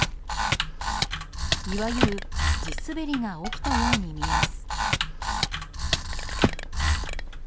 いわゆる地滑りが起きたように見えます。